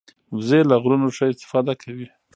وزې له غرونو ښه استفاده کوي